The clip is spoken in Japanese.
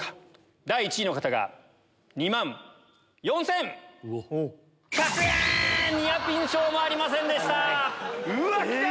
第１位の方が２万４千１００円！ニアピン賞もありませんでした。